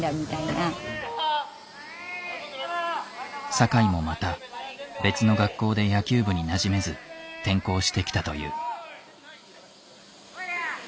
酒井もまた別の学校で野球部になじめず転校してきたという。